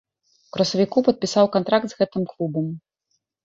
У красавіку падпісаў кантракт з гэтым клубам.